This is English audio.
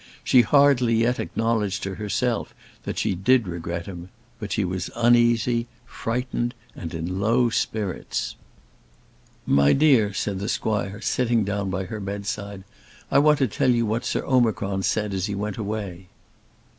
She hardly yet acknowledged to herself that she did regret him; but she was uneasy, frightened, and in low spirits. "My dear," said the squire, sitting down by her bedside, "I want to tell you what Sir Omicron said as he went away."